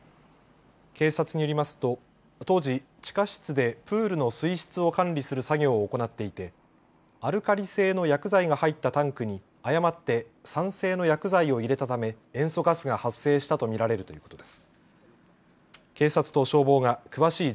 警察によりますと当時、地下室でプールの水質を管理する作業を行っていてアルカリ性の薬剤が入ったタンクに誤って酸性の薬剤を入れたため塩素ガスが発生したと見られるということです。